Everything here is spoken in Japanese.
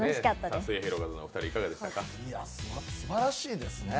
すばらしいですね